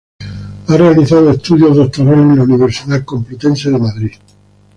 Ha realizado estudios Doctorales en la Universidad Complutense de Madrid.